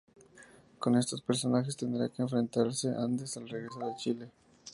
Con estos personajes tendrá que enfrentarse Andes al regresar a Chile.